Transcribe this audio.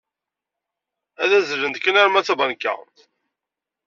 Ad azzlent kan arma d tabanka.